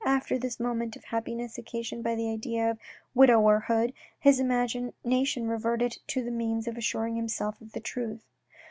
After this moment of happiness occasioned by the idea of widowerhood, his imagination reverted to the means of assuring himself of the truth.